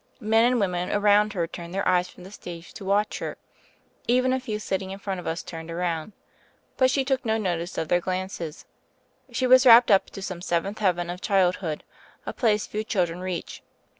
Men and women around her turned their eyes from the stage to watch her. Even a few sitting in front of us turned around; but she took no notice of their glances. She was wrapt up to some seventh heaven of childhood, a place few children reach.